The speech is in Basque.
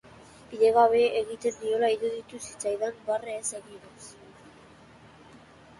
Bidegabe egiten niola iruditu zitzaidan barre ez eginaz.